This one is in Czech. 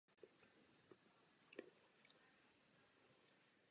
Má poslední poznámka se týká solidarity.